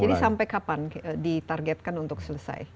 jadi sampai kapan ditargetkan untuk selesai